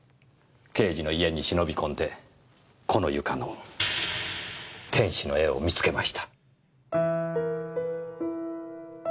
刑事の家に忍び込んでこの床の天使の絵を見つけました。